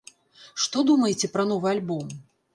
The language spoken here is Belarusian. Што думаеце пра новы альбом?